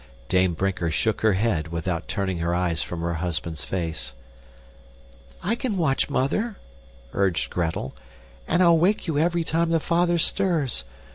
Dame Brinker shook her head without turning her eyes from her husband's face. "I can watch, mother," urged Gretel, "and I'll wake you every time the father stirs.